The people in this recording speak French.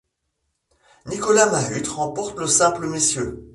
Nicolas Mahut remporte le simple messieurs.